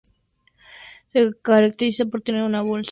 Se caracteriza por tener una bolsa de papel cubriendo su cabeza.